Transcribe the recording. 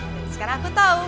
dan sekarang aku tau